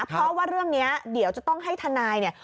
เพราะว่าเรื่องนี้เดี๋ยวจะต้องให้ทนายเนี่ย